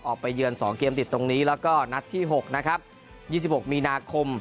เยือน๒เกมติดตรงนี้แล้วก็นัดที่๖นะครับ๒๖มีนาคม